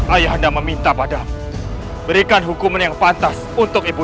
ayah anda meminta padamu berikan hukuman yang pantas untuk ibu